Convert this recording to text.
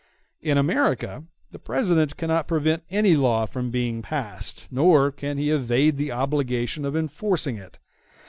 In America the President cannot prevent any law from being passed, nor can he evade the obligation of enforcing it.